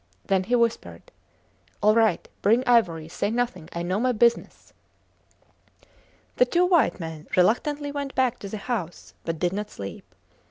Then he whispered, All right. Bring ivory. Say nothing! I know my business. The two white men reluctantly went back to the house, but did not sleep.